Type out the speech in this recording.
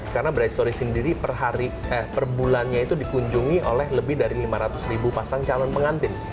karena bright story sendiri per bulannya itu dikunjungi oleh lebih dari lima ratus ribu pasang calon pengantin